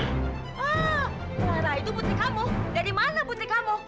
ah lara itu putri kamu dari mana putri kamu